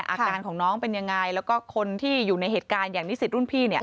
อาการของน้องเป็นยังไงแล้วก็คนที่อยู่ในเหตุการณ์อย่างนิสิตรุ่นพี่เนี่ย